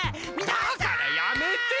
だからやめて！